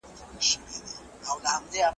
له غيرته ډکه مېنه .